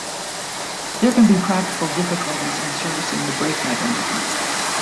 There can be practical difficulties in servicing the brake mechanism.